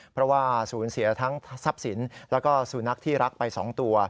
เพราะว่าสูญเสียทั้งทรัพย์สินแล้วก็สูนักที่รักไป๒ตัว